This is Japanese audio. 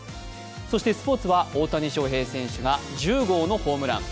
そしてスポーツは大谷翔平選手が１０号のホームラン。